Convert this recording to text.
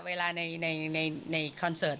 เวลาในคอนเสิร์ต